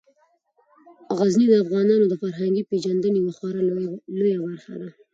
غزني د افغانانو د فرهنګي پیژندنې یوه خورا لویه برخه ده.